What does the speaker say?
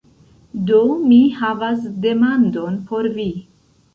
Do, mi havas demandon por vi